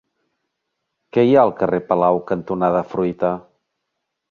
Què hi ha al carrer Palau cantonada Fruita?